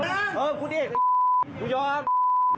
เออพูดดี